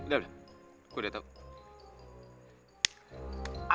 shhh udah udah gue udah tau